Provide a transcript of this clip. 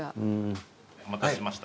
お待たせしました。